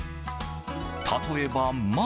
例えば、「ま」。